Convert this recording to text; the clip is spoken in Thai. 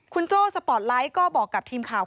คุณโจ้สปอร์ตไลท์ก็บอกกับทีมข่าว